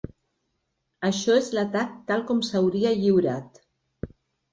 Això és l'atac tal com s'hauria lliurat.